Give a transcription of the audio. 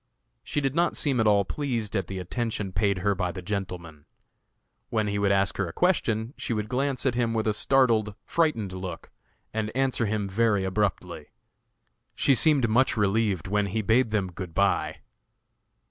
She did not seem at all pleased at the attention paid her by the gentleman. When he would ask her a question she would glance at him with a startled frightened look, and answer him very abruptly. She seemed much relieved when he bade them good bye.